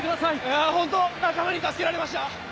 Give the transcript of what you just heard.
本当に仲間に助けられました。